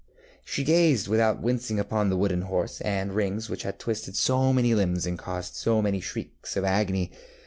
ŌĆØ ŌĆ£ŌĆśShe gazed without wincing upon the wooden horse and rings which had twisted so many limbs and caused so many shrieks of agony.